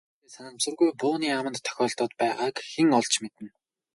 Өнөө өглөө гарсан Болд мөн үдэштээ санамсаргүй бууны аманд тохиолдоод байгааг хэн олж мэднэ.